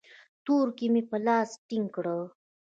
تورکي مې لاس ټينگ کړ.